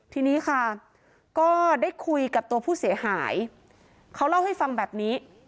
ทีนี้ค่ะก็ได้คุยกับตัวผู้เสียหายเขาเล่าให้ฟังแบบนี้